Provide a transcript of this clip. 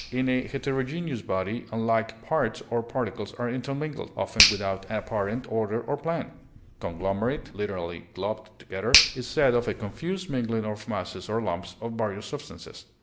In a heterogeneous body unlike parts or particles are intermingled, often without apparent order or plan. Conglomerate (literally, globed together) is said of a confused mingling of masses or lumps of various substances.